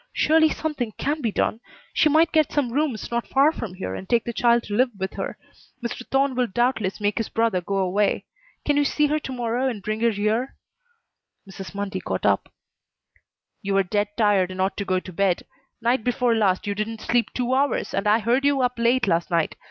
Surely something can be done! She might get some rooms not far from here and take the child to live with her. Mr. Thorne will doubtless make his brother go away. Can you see her to morrow and bring her here?" Mrs. Mundy got up. "You are dead tired and ought to go to bed. Night before last you didn't sleep two hours, and I heard you up late last night.